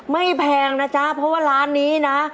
แพงนะจ๊ะเพราะว่าร้านนี้นะ